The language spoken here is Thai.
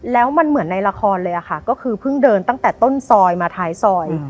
แล้วมันเหมือนในละครเลยค่ะก็คือเพิ่งเดินตั้งแต่ต้นซอยมาท้ายซอย